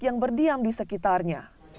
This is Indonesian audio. yang berdiam di sekitarnya